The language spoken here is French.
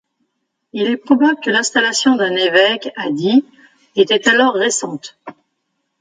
Il est probable que l'installation d'un évêque à Die était alors récente.